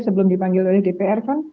sebelum dipanggil oleh dpr kan